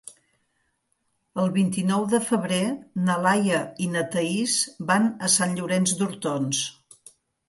El vint-i-nou de febrer na Laia i na Thaís van a Sant Llorenç d'Hortons.